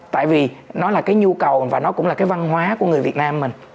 tại vì nó là cái nhu cầu và nó cũng là cái văn hóa của người việt nam mình